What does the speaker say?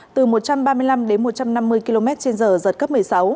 từ một trăm ba mươi năm đến một trăm năm mươi km trên giờ giật cấp một mươi sáu